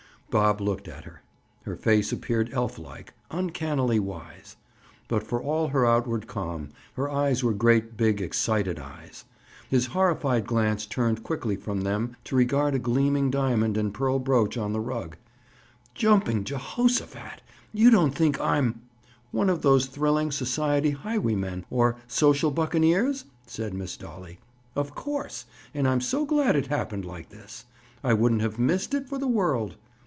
Bob looked at her. Her face appeared elf like, uncannily wise. But for all her outward calm, her eyes were great big, excited eyes. His horrified glance turned quickly from them to regard a gleaming diamond and pearl brooch on the rug. "Jumping Je hoshaphat! You don't think I'm—" "One of those thrilling society highwaymen, or social buccaneers?" said Miss Dolly. "Of course, and I'm so glad it happened like this. I wouldn't have missed it for the world.